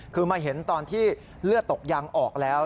คือมาเห็นตอนที่เลือดตกยางออกแล้ว